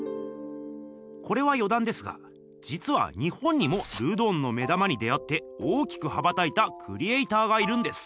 これはよだんですがじつは日本にもルドンの目玉に出会って大きく羽ばたいたクリエーターがいるんです。